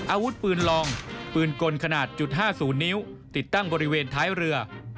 อาวุธปืนลองปืนกลขนาดจุด๕๐นิ้วติดตั้งบริเวณท้ายเรือ